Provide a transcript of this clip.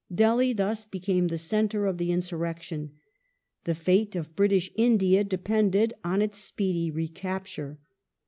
Delhi thus became the centre of the insuiTection. The fate of British India depended on its speedy recapture.